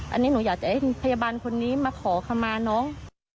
อันนี้หนูอยากจะให้พยาบาลคนนี้มาขอคำมาน้อง